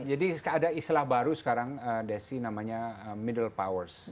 jadi ada istilah baru sekarang desi namanya middle powers